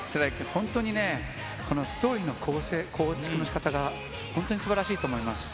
本当にこのストーリーの構成、構築のしかたが、本当にすばらしいと思います。